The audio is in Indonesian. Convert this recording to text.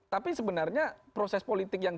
tapi sebenarnya proses politik yang